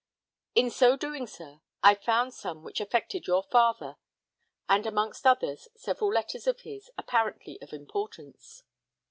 In so doing, sir, I found some which affected your father; and amongst others, several letters of his, apparently of importance.